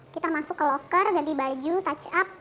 kita masuk ke loker ganti baju touch up